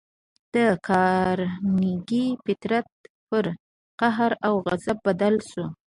د کارنګي فطرت پر قهر او غضب بدل شو